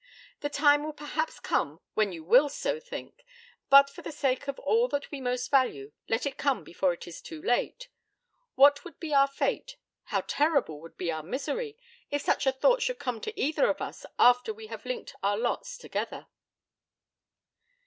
'The time will perhaps come when you will so think, but for the sake of all that we most value, let it come before it is too late. What would be our fate how terrible would be our misery, if such a thought should come to either of us after we have linked our lots together.'